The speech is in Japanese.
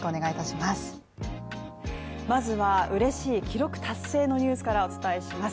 まずは、うれしい記録達成のニュースからお伝えします。